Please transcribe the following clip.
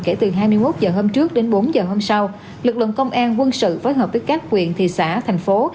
kể từ hai mươi một h hôm trước đến bốn h hôm sau lực lượng công an quân sự phối hợp với các quyện thị xã thành phố